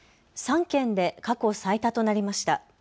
３県で過去最多となりました。